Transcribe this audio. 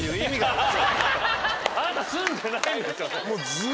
あなた住んでないですよね。